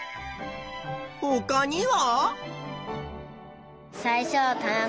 ほかには？